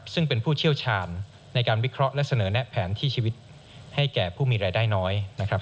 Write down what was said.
ซึ่งเป็นผู้เชี่ยวชาญในการวิเคราะห์และเสนอแนะแผนที่ชีวิตให้แก่ผู้มีรายได้น้อยนะครับ